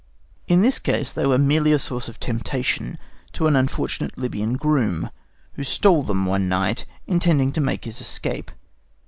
In this case they were merely a source of temptation to an unfortunate Libyan groom, who stole them one night, intending to make his escape.